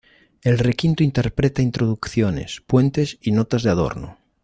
El requinto interpreta introducciones, puentes y notas de adorno.